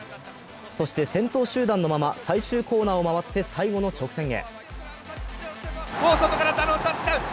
そして、先頭集団のまま、最終コーナーを回って最後の直線へ。